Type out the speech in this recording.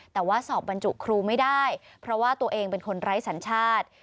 แต่ว่าสอบบรรจุครูไม่ได้เพราะว่าตัวเองเป็นคนไร้สัญชาติ